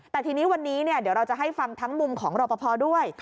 แต่ทีนี้วันนี้เดี๋ยวเราจะให้ฟังทั้งมุมของรอปภด้วย